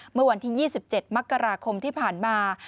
เมื่อวันที่๒๗มกราคมที่ผ่านมา